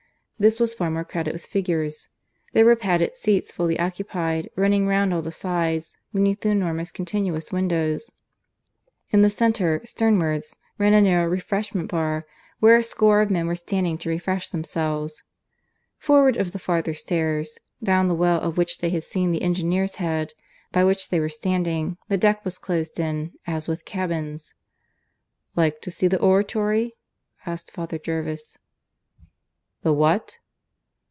This was far more crowded with figures: there were padded seats fully occupied running round all the sides, beneath the enormous continuous windows. In the centre, sternwards, ran a narrow refreshment bar, where a score of men were standing to refresh themselves. Forward of the farther stairs (down the well of which they had seen the engineer's head), by which they were standing, the deck was closed in, as with cabins. "Like to see the oratory?" asked Father Jervis. "The what?"